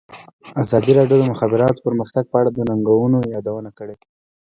ازادي راډیو د د مخابراتو پرمختګ په اړه د ننګونو یادونه کړې.